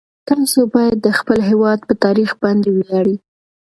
تاسو باید د خپل هیواد په تاریخ باندې وویاړئ.